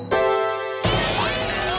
え？